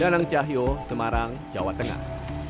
danang cahyo semarang jawa tengah